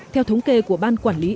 theo thống kê của ban quản lý